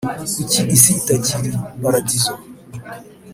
Kuki isi itakiri paradizo?